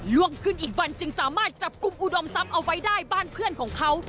ล่วงขึ้นอีกวันจึงสามารถจับกลุ่มอุดมทรัพย์เอาไว้ได้บ้านเพื่อนของเขา